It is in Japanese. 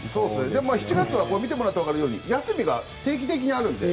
７月は見てもらってわかるように休みが定期的にあるので。